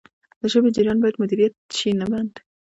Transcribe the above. د ژبې جریان باید مدیریت شي نه بند.